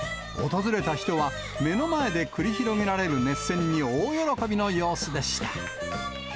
訪れた人は、目の前で繰り広げられる熱戦に大喜びの様子でした。